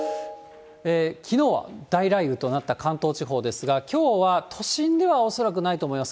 きのうは大雷雨となった関東地方ですが、きょうは都心では恐らくないと思います。